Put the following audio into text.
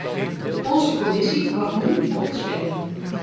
Onze commissie wacht nu op de stemming.